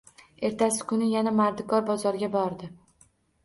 Ertasi kuni yana mardikor bozoriga bordi